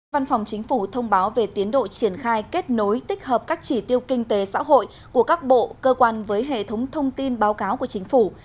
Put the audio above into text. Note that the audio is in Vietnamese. văn phòng chính phủ thông báo về tiến độ triển khai kết nối tích hợp các chỉ tiêu kinh tế xã hội của các bộ cơ quan với hệ thống thông tin báo cáo của chính phủ